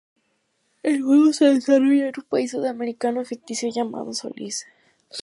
El juego se desarrolla en un país sudamericano ficticio llamado Solís.